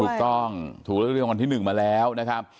ถูกต้องถูกเรียกว่าวันที่๑มาแล้วนะครับ